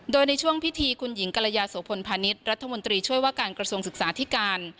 โดยในช่วงพิธีคุณหญิงกรยาโสพลพาณิชย์รัฐมนตรีช่วยว่าการกระทรวงศึกษาที่การ